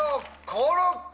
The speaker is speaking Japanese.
コロッケ。